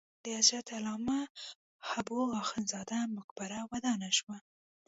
د حضرت علامه حبو اخند زاده مقبره ودانه شوه.